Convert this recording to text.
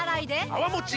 泡もち